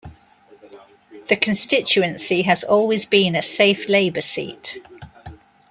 The constituency has always been a safe Labour seat.